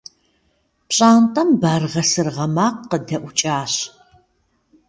Пщӏантӏэм баргъэ-сыргъэ макъ къыдэӏукӏащ.